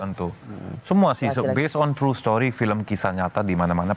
tentu semua sih based on true story film kisah nyata dimana mana